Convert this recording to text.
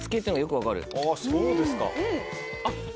あっそうですか。